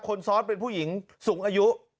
คนซ้อนเป็นผู้หญิงสูงอายุ